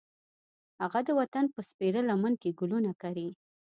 هغه د وطن په سپېره لمن ګلونه کري